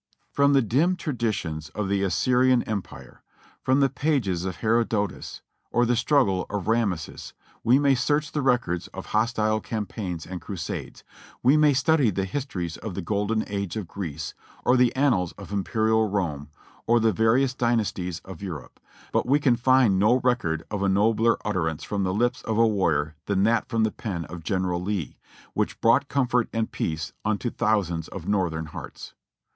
From the dim traditions of the Assyrian Empire, from the pages of Herodotus, or the struggle of Rameses, we may search the records of hostile campaigns and crusades — we may study the histories of the Golden Age of Greece, or the annals of Imperial Rome, or the various dynasties of Europe, but we can find no record of a nobler utterance from the lips of a warrior than that from the pen of General Lee, which brought comfort and peace, unto thousands of Northern hearts.